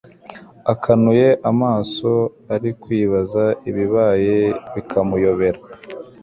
akanuye amaso, arimo kwibaza ibibaye bikamuyobera